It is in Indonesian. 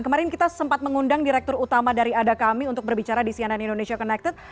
kemarin kita sempat mengundang direktur utama dari ada kami untuk berbicara di cnn indonesia connected